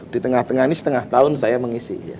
di tengah tengah ini setengah tahun saya mengisi